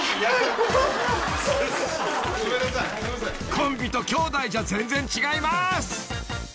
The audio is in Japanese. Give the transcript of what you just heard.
［コンビと兄弟じゃ全然違います］